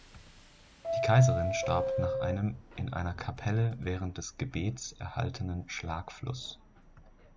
Die Kaiserin starb nach einem in einer Kapelle während des Gebets erhaltenen „Schlagfluss“.